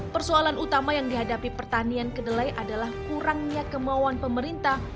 persoalan utama yang dihadapi pertanian kedelai adalah kurangnya kemauan pemerintah